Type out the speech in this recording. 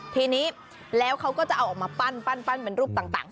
ทีนี้แล้วเขาก็จะเอาออกมาปั้นเป็นรูปต่าง